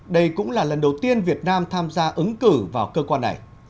đây cũng là lần đầu tiên việt nam tham gia ứng cử vào cơ quan này